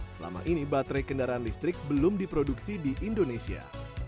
selama ini baterai kendaraan listrik belum diproduksi di indonesia